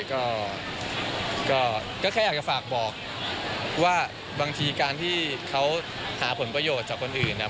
ก็แค่อยากจะฝากบอกว่าบางทีการที่เขาหาผลประโยชน์จากคนอื่นเนี่ย